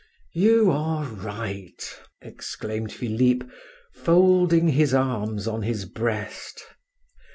"You are right!" exclaimed Philip, folding his arms on his breast.